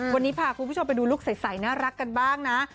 วันนี้พาคุณผู้ชมไปดูลูกใสน่ารักกันบ้างนะ